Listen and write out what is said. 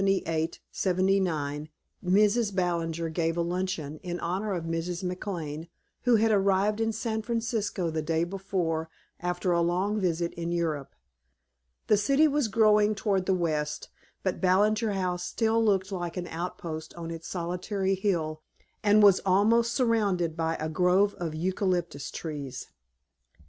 XLVII In the winter of 1878 79 Mrs. Ballinger gave a luncheon in honor of Mrs. McLane, who had arrived in San Francisco the day before after a long visit in Europe. The city was growing toward the west, but Ballinger House still looked like an outpost on its solitary hill and was almost surrounded by a grove of eucalyptus trees.